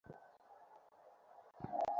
আসতে কথা বল।